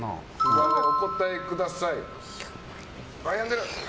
お答えください。